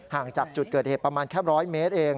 ห่างจากจุดเกิดเหตุประมาณแค่๑๐๐เมตรเอง